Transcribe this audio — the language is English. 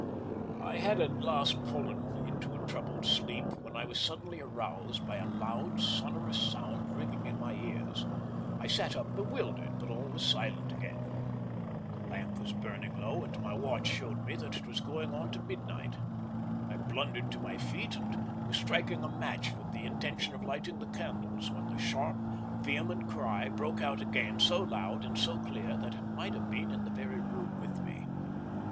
"I had at last fallen into a troubled sleep when I was suddenly aroused by a loud, sonorous sound ringing in my ears. I sat up bewildered, but all was silent again. The lamp was burning low, and my watch showed me that it was going on to midnight. I blundered to my feet, and was striking a match with the intention of lighting the candles, when the sharp, vehement cry broke out again so loud and so clear that it might have been in the very room with me.